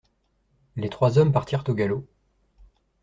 Les trois hommes partirent au galop.